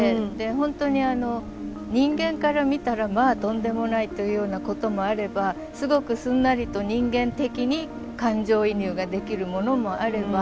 本当に人間から見たらまあとんでもないというようなこともあればすごくすんなりと人間的に感情移入ができるものもあれば。